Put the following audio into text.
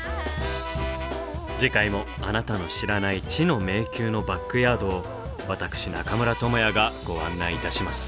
次回もあなたの知らない「知の迷宮」のバックヤードを私中村倫也がご案内いたします。